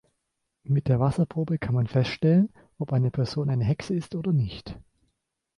Mit der Wasserprobe kann man feststellen, ob eine Person eine Hexe ist oder nicht.